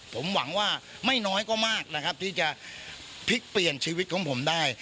ผมหวังว่าไม่น้อยก็มากนะครับที่จะพลิกเปลี่ยนชีวิตของผมได้